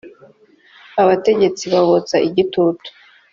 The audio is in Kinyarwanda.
abategetsi babotsa igitutu